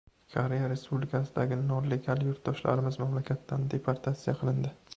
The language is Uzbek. Koreya Respublikasidagi nolegal yurtdoshlarimiz mamlakatdan deportasiya qilindi